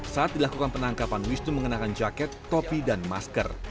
saat dilakukan penangkapan wisnu mengenakan jaket topi dan masker